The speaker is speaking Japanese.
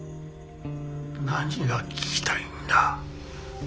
何が聞きたいんだ？